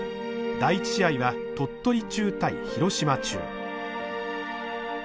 第１試合は鳥取中対廣島中。